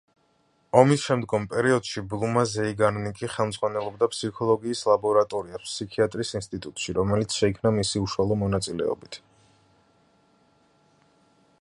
ომისშემდგომ პერიოდში ბლუმა ზეიგარნიკი ხელმძღვანელობდა ფსიქოლოგიის ლაბორატორიას ფსიქიატრიის ინსტიტუტში, რომელიც შეიქმნა მისი უშუალო მონაწილეობით.